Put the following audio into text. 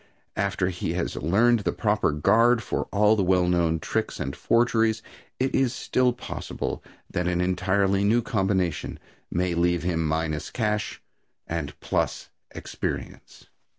After he has learned the proper guard for all the well known tricks and forgeries it is still possible that an entirely new combination may leave him minus cash and plus experience.